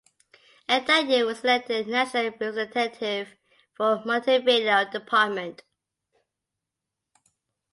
And that year was elected National Representative for Montevideo Department.